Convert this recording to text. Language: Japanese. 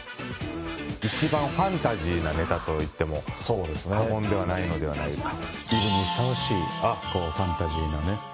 一番ファンタジーなネタといってもそうですね過言ではないのではないかとこうファンタジーなね